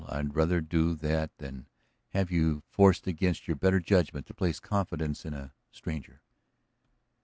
I'd rather do that than have you forced against your better judgment to place confidence in a stranger."